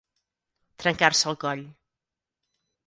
Trencar-se el coll.